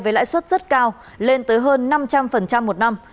với lãi suất rất cao lên tới hơn năm trăm linh một năm